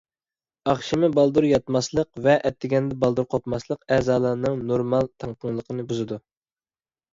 ئاخشىمى بالدۇر ياتماسلىق ۋە ئەتىگەندە بالدۇر قوپماسلىق ئەزالارنىڭ نورمال تەڭپۇڭلۇقىنى بۇزىدۇ.